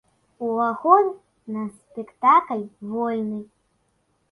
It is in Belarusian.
Уваход на спектакль вольны.